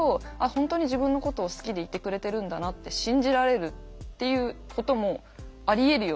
本当に自分のことを好きでいてくれてるんだなって信じられるっていうこともありえるよね